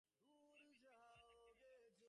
আমি বিস্মিত হয়ে তাকিয়ে রইলাম-সে বলে কী।